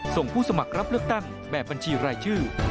ผู้สมัครรับเลือกตั้งแบบบัญชีรายชื่อ